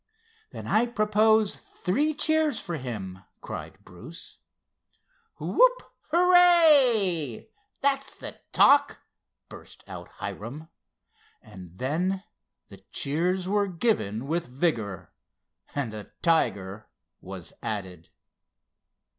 "Then I propose three cheers for him!" cried Bruce. "Whoop! Hurray! That's the talk!" burst out Hiram. And then the cheers were given with vigor, and a "tiger" was added.